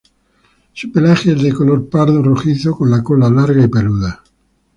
Su pelaje es de color pardo rojizo con la cola larga y peluda.